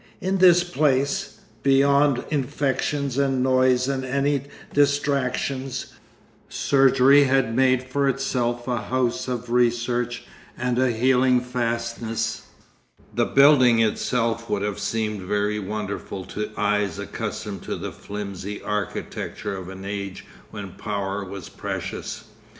In this place, beyond infections and noise and any distractions, surgery had made for itself a house of research and a healing fastness. The building itself would have seemed very wonderful to eyes accustomed to the flimsy architecture of an age when power was precious.